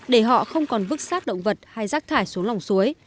để họ không còn vứt sát động vật hay rác thải xuống lòng suối